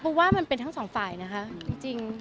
เพราะว่ามันเป็นทั้งสองฝ่ายนะคะจริง